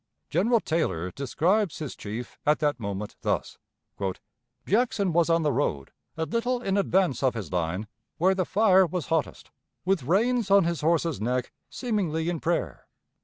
General Taylor describes his chief at that moment thus: "Jackson was on the road, a little in advance of his line, where the fire was hottest, with reins on his horse's neck, seemingly in prayer.